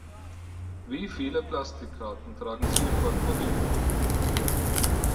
Wie viele Plastikkarten tragen Sie im Portmonee herum?